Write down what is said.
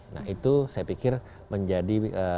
nah itu saya pikir menjadi